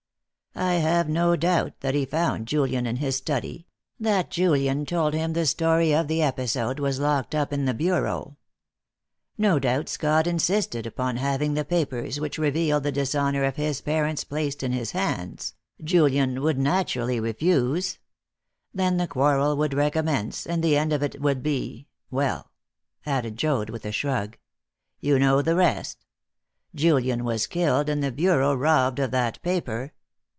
I have no doubt that he found Julian in his study, that Julian told him the story of the episode was locked up in the bureau. No doubt Scott insisted upon having the papers which revealed the dishonour of his parents placed in his hands. Julian would naturally refuse. Then the quarrel would recommence, and the end of it would be well," added Joad, with a shrug, "you know the rest. Julian was killed, and the bureau robbed of that paper.